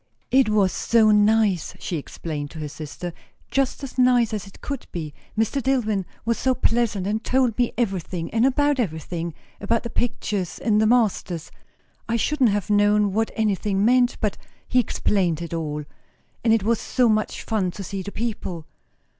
"It was so nice!" she explained to her sister; "just as nice as it could be. Mr. Dillwyn was so pleasant; and told me everything and about everything; about the pictures, and the masters; I shouldn't have known what anything meant, but he explained it all. And it was such fun to see the people."